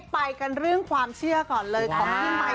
ไปกันเรื่องความเชื่อก่อนเลยของพี่ไมค์